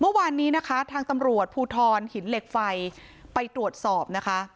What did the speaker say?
เมื่อวานนี้นะคะทางตำรวจภูทรหินเหล็กไฟไปตรวจสอบนะคะ